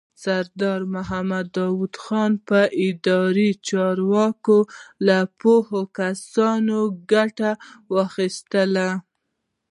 سردار محمد داود په اداري چارو کې له پوهو کسانو ګټه واخیستله.